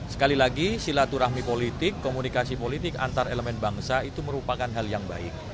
sekali lagi silaturahmi politik komunikasi politik antar elemen bangsa itu merupakan hal yang baik